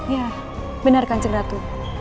ya benarkan cendatunya